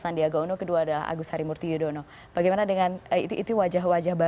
ada dua nama yang sudah